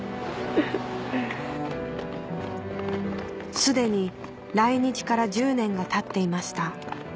すでに来日から１０年がたっていました